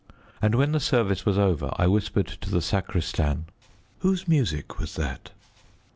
And when the service was over I whispered to the sacristan "Whose music was that?"